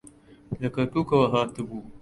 لە کەرکووکەوە هاتبوو.